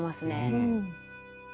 うん。